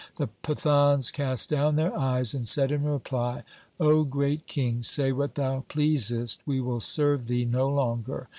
The Pathans cast down their eyes and said in reply, ' O great king, say what thou pleasest. We will serve thee no longer.